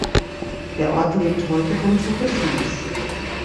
Der Ort lebt heute vom Tourismus.